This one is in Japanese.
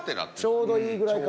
ちょうどいいぐらいかも。